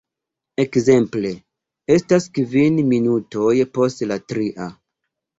Ekzemple: "Estas kvin minutoj post la tria.